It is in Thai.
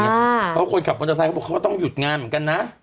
เพราะคนขับมอเตอร์ไซค์เขาบอกเขาก็ต้องหยุดงานเหมือนกันนะ